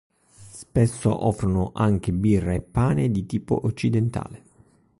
Spesso offrono anche birra e pane di tipo occidentale.